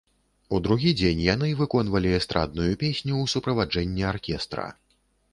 У другі дзень яны выконвалі эстрадную песню ў суправаджэнні аркестра.